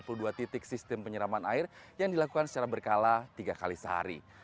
ada dua titik sistem penyeraman air yang dilakukan secara berkala tiga kali sehari